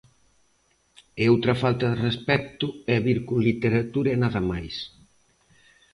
E outra falta de respecto é vir con literatura e nada máis.